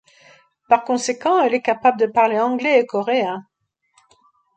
Par conséquent, elle est capable de parler anglais et coréen.